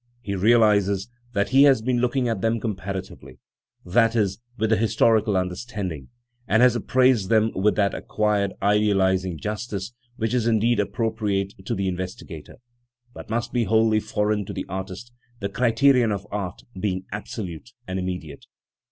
He realises that he has been looking at them comparatively, i. t\, with the historical understanding and has appraised them with that acquired, idealising justice which is indeed appropriate to the investigator, but must be wholly foreign to the artist, the criterion of art being absolute and immediate.